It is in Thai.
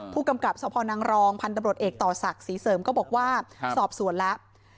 ผู้กำกับสพนังรองพันธบรวจเอกต่อศักดิ์ศรีเสริมก็บอกว่าสอบสวนแล้ว